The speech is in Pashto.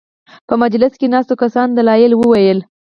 په مجلس کې ناستو کسانو دلایل وویل.